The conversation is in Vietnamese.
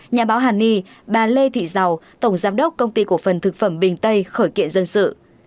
nhà báo hàn ni bà lê thị giàu tổng giám đốc công ty cổ phần thực phẩm bình tây khởi kiện dân sự